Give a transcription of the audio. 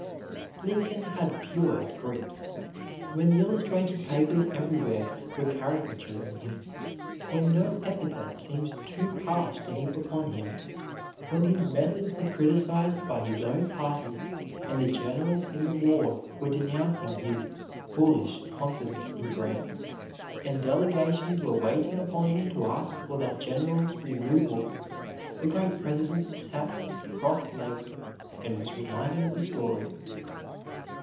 Lincoln had pure "grit." When the illustrated papers everywhere were caricaturing him, when no epithet seemed too harsh to heap upon him, when his methods were criticized by his own party, and the generals in the war were denouncing his "foolish" confidence in Grant, and delegations were waiting upon him to ask for that general's removal, the great President sat with crossed legs, and was reminded of a story.